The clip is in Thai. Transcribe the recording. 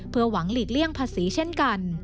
เพื่อหวังหลีกเลี่ยงภาษีเช่นกัน